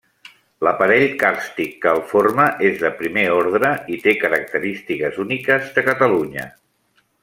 L'aparell càrstic que el forma és de primer ordre i té característiques úniques de Catalunya.